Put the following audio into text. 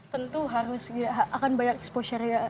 tentu harus akan banyak exposure nya